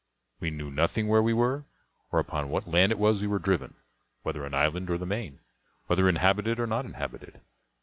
We knew nothing where we were, or upon what land it was we were driven; whether an island or the main, whether inhabited or not inhabited.